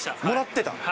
もらってた。